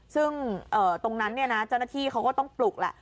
ซึ่งตรงนั้นเนี่ยนะเจ้าหน้าที่เขาก็ต้องปลุกแหละ